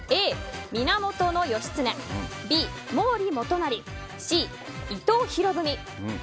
Ａ、源義経Ｂ、毛利元就Ｃ、伊藤博文。